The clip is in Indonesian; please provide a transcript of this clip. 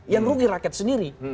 yang rugi rakyat sendiri